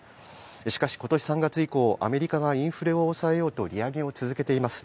しかし今年３月以降アメリカがインフレを抑えようと利上げを続けています。